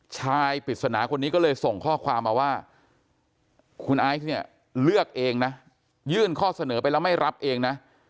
ชายปริศนาคนนี้ก็เลยส่งข้อความมาว่าคุณไอซ์เนี่ยเลือกเองนะยื่นข้อเสนอไปแล้วไม่รับเองนะ